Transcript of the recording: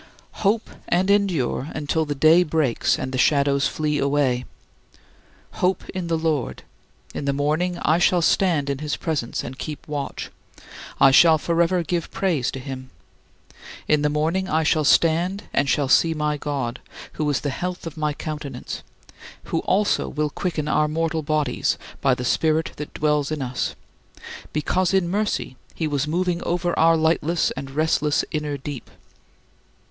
Hope and endure until the day breaks and the shadows flee away. Hope in the Lord: in the morning I shall stand in his presence and keep watch; I shall forever give praise to him. In the morning I shall stand and shall see my God, who is the health of my countenance, who also will quicken our mortal bodies by the Spirit that dwells in us, because in mercy he was moving over our lightless and restless inner deep.